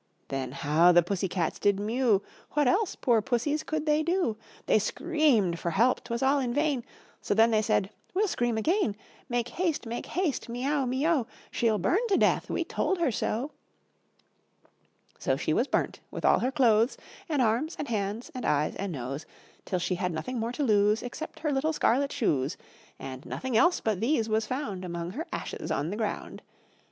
Then how the pussy cats did mew What else, poor pussies, could they do? They screamed for help, 'twas all in vain! So then they said: "We'll scream again; Make haste, make haste, me ow, me o, She'll burn to death; we told her so." So she was burnt, with all her clothes, And arms, and hands, and eyes, and nose; Till she had nothing more to lose Except her little scarlet shoes; And nothing else but these was found Among her ashes on the ground.